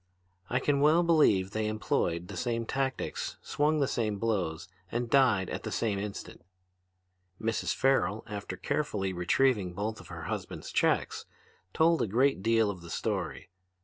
I can well believe they employed the same tactics, swung the same blows, and died at the same instant. "Mrs. Farrel, after carefully retrieving both of her husbands' checks, told a great deal of the story.